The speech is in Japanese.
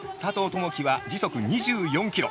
友祈は、時速２４キロ。